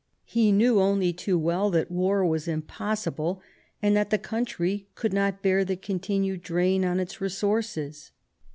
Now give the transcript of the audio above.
He knew only too well that war was impossible, and that the country could not bear the continued drain on its resources.